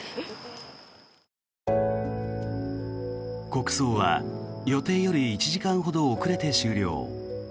国葬は予定より１時間ほど遅れて終了。